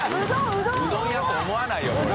うどん屋と思わないよこれ。